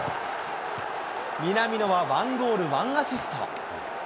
南野は１ゴール１アシスト。